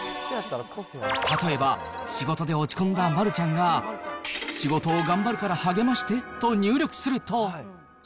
例えば、仕事で落ち込んだ丸ちゃんが、仕事を頑張るから励ましてと入力すると。